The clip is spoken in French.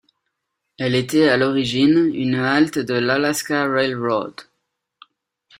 Elle était à l'origine une halte de l'Alaska Railroad.